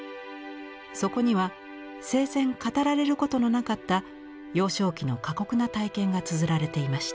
そこには生前語られることのなかった幼少期の過酷な体験がつづられていました。